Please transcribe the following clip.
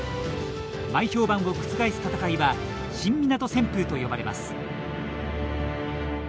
前評判を覆す戦いは新湊旋風と呼ばれます。